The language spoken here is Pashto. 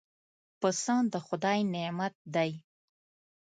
پسه د خدای نعمت دی.